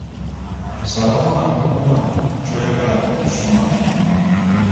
Salawo mangu nnyo ku ky'oyagala okusomako.